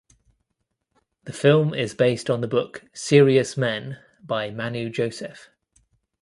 The film is based on the book "Serious Men" by Manu Joseph.